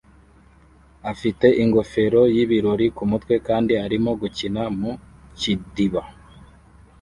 afite ingofero yibirori kumutwe kandi arimo gukina mu kidiba